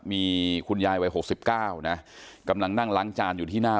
มีคุณยายวัย๖๙นะกำลังนั่งล้างจานอยู่ที่หน้า